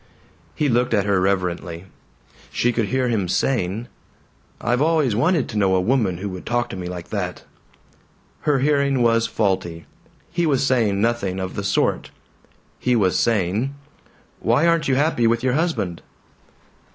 He looked at her reverently. She could hear him saying, "I've always wanted to know a woman who would talk to me like that." Her hearing was faulty. He was saying nothing of the sort. He was saying: "Why aren't you happy with your husband?"